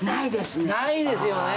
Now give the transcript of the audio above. ないですよね。